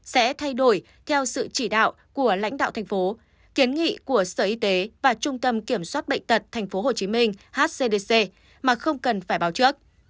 sẽ thay đổi theo sự chỉ đạo của lãnh đạo thành phố kiến nghị của sở y tế và trung tâm kiểm soát bệnh tật tp hcm hcdc mà không cần phải báo trước